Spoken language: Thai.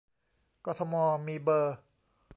กทมมีเบอร์